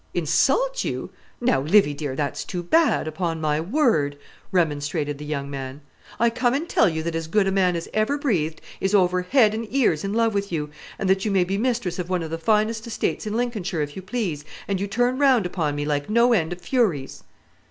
"Insult you? Now, Livy dear, that's too bad, upon my word," remonstrated the young man. "I come and tell you that as good a man as ever breathed is over head and ears in love with you, and that you may be mistress of one of the finest estates in Lincolnshire if you please, and you turn round upon me like no end of furies."